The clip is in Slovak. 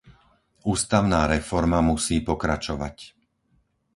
Ústavná reforma musí pokračovať.